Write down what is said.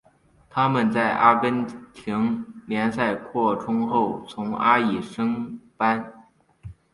他们在阿根廷联赛扩充后从阿乙升班。